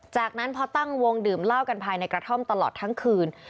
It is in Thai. จากนั้นพอตั้งวงดื่มเหล้ากันภายในกระท่อมตลอดทั้งคืน